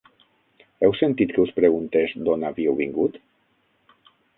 Heu sentit que us preguntés d'on havíeu vingut?